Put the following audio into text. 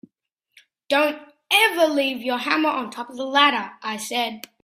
Don’t ever leave your hammer on the top of the ladder, I said.